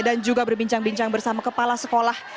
dan juga berbincang bincang bersama kepala sekolah